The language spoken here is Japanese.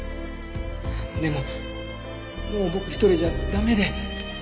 でももう僕一人じゃ駄目で。